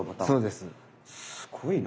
すごいな。